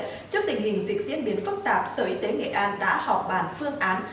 trước tình hình dịch diễn biến phức tạp sở y tế nghệ an đã họp bàn phương án